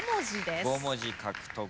５文字獲得。